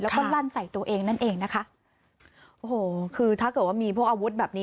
แล้วก็ลั่นใส่ตัวเองนั่นเองนะคะโอ้โหคือถ้าเกิดว่ามีพวกอาวุธแบบนี้